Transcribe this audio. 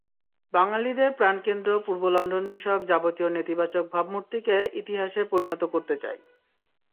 বাঙালিদের প্রাণকেন্দ্র পূর্ব লন্ডন বিষয়ক যাবতীয় নেতিবাচক ভাবমূর্তিকে ইতিহাসে পরিণত করতে চাই।